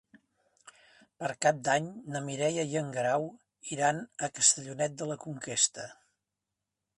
Per Cap d'Any na Mireia i en Guerau iran a Castellonet de la Conquesta.